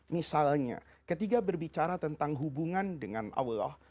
misalnya ketika berbicara tentang hubungan dengan allah